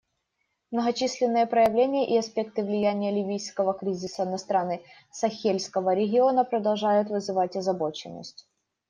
Многочисленные проявления и аспекты влияния ливийского кризиса на страны Сахельского региона продолжают вызывать озабоченность.